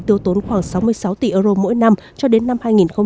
tiêu tốn khoảng sáu mươi sáu tỷ euro mỗi năm cho đến năm hai nghìn hai mươi